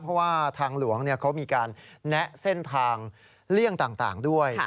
เพราะว่าทางหลวงเขามีการแนะเส้นทางเลี่ยงต่างด้วย